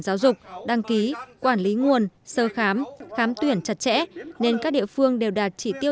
giáo dục đăng ký quản lý nguồn sơ khám khám tuyển chặt chẽ nên các địa phương đều đạt chỉ tiêu